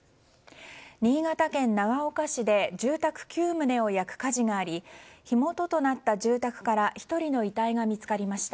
新潟県長岡市で住宅９棟を焼く火事があり火元となった住宅から１人の遺体が見つかりました。